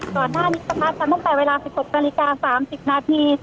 ก่อนหน้านี้ต้องไปเวลา๑๖นาฬิกา๓๐นาที